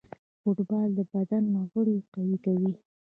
فوټبال د بدن غړي قوي کوي.